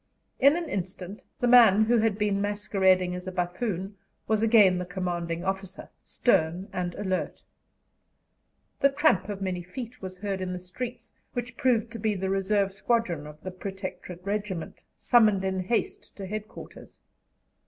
In an instant the man who had been masquerading as a buffoon was again the commanding officer, stern and alert. The tramp of many feet was heard in the streets, which proved to be the reserve squadron of the Protectorate Regiment, summoned in haste to headquarters.